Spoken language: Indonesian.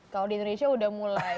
kalau di indonesia udah mulai